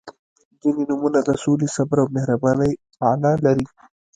• ځینې نومونه د سولې، صبر او مهربانۍ معنا لري.